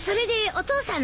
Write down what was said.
・お父さん。